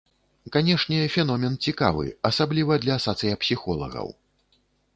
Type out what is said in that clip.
Канешне, феномен цікавы, асабліва для сацыяпсіхолагаў.